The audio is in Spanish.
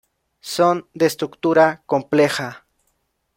Son de estructura compleja.